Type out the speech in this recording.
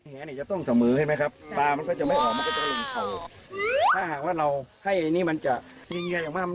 อย่างเงียนอย่างมากมันก็เสมอนี่มันถือว่าอะไร